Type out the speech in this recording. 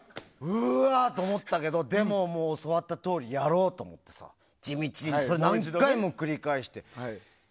うわって思ったけどでも教わったとおりやろうと思ってさ地道に地道に、何回も繰り返して。